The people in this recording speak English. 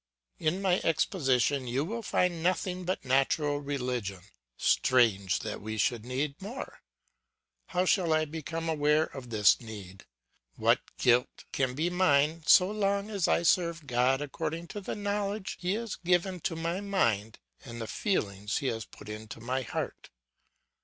"In my exposition you find nothing but natural religion; strange that we should need more! How shall I become aware of this need? What guilt can be mine so long as I serve God according to the knowledge he has given to my mind, and the feelings he has put into my heart?